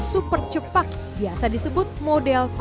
super cepak biasa disebut model satu